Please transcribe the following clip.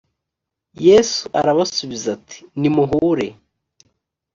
yesu arabasubiza ati nimuhure.